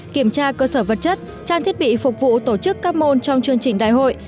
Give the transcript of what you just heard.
kiểm tra cơ sở vật chất trang thiết bị phục vụ tổ chức các môn trong chương trình đại hội